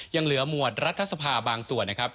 ยังเหลือหมวดรัฐสภาบางส่วนนะครับ